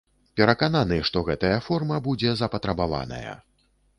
Перакананы, што гэтая форма будзе запатрабаваная.